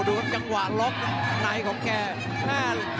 ซุหัยไปลงแตล